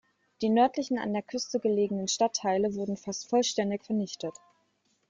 Die nördlichen, an der Küste gelegenen Stadtteile wurden fast vollständig vernichtet.